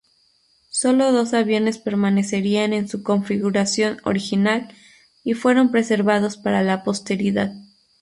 Sólo dos aviones permanecerían en su configuración original y fueron preservados para la posteridad.